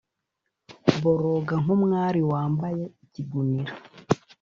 Boroga nk umwari wambaye ikigunira